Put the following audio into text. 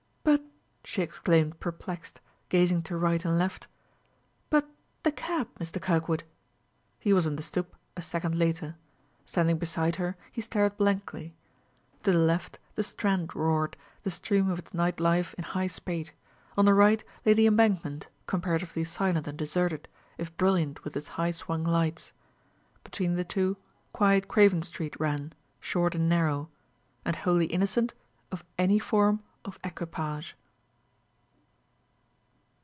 "But," she exclaimed, perplexed, gazing to right and left, "but the cab, Mr. Kirkwood?" He was on the stoop a second later. Standing beside her, he stared blankly. To the left the Strand roared, the stream of its night life in high spate; on the right lay the Embankment, comparatively silent and deserted, if brilliant with its high swung lights. Between the two, quiet Craven Street ran, short and narrow, and wholly innocent of any form of equipage.